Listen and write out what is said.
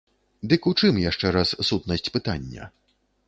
Дык у чым, яшчэ раз, сутнасць пытання?